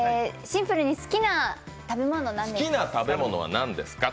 シンプルに好きな食べ物は何ですか？